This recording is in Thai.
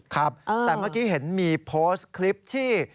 ครับแต่เมื่อกี้เห็นมีโพสต์คลิปที่